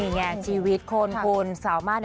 นี่ไงชีวิตคนคุณสามารถ